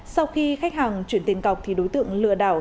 sau khi khách hàng chuyển tiền cọc thì đối tượng lừa đảo